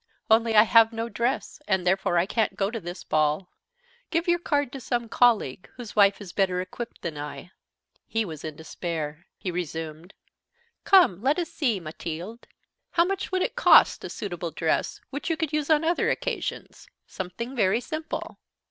Only I have no dress, and therefore I can't go to this ball. Give your card to some colleague whose wife is better equipped than I." He was in despair. He resumed: "Come, let us see, Mathilde. How much would it cost, a suitable dress, which you could use on other occasions, something very simple?"